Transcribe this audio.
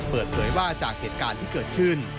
เปิดเผยว่าจากเหตุการณ์ที่เกิดขึ้น